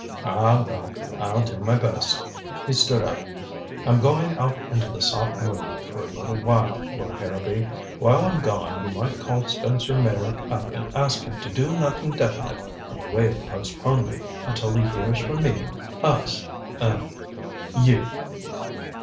Ah, well I'll do my best." He stood up. "I'm going out into the soft moonlight for a little while, Lord Harrowby. While I'm gone you might call Spencer Meyrick up and ask him to do nothing definite in the way of postponement until he hears from me us er you."